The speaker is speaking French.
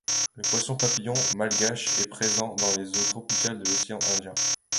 Le Poisson-papillon malgache est présent dans les eaux tropicales de l'Océan Indien.